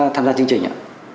tham gia chương trình ạ